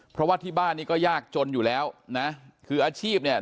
เพราะว่าที่บ้านนี้ก็ยากจนอยู่แล้วนะคืออาชีพเนี่ย